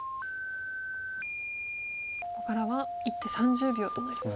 ここからは１手３０秒となります。